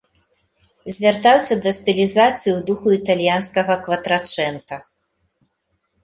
Звяртаўся да стылізацыі ў духу італьянскага кватрачэнта.